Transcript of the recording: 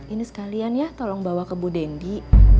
ini sekalian ya tolong bawa ke bu dendi